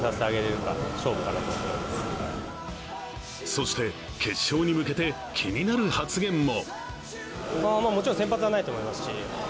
そして、決勝に向けて気になる発言も。